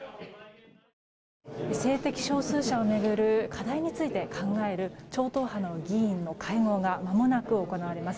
性的少数者を巡る課題について考える超党派の議員の会合がまもなく行われます。